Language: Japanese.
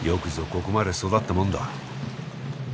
ここまで育ったもんだ。